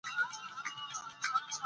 اقلیم د افغانستان یوه طبیعي ځانګړتیا ده.